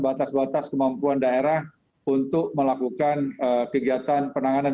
batas batas kemampuan daerah untuk melakukan kegiatan penanganan